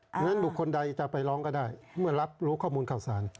เพราะฉะนั้นบุคคลใดจะไปร้องก็ได้เมื่อรับรู้ข้อมูลข่าวสาร